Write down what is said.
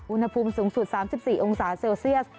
อุณหภูมิสูงสุด๓๔องศาเซลเซียส